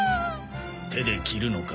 手で切るのか。